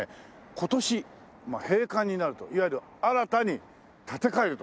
今年閉館になるといわゆる新たに建て替えると。